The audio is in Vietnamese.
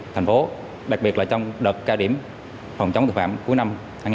thành phố đặc biệt là trong đợt cao điểm phòng chống thực phạm cuối năm hai nghìn một mươi hai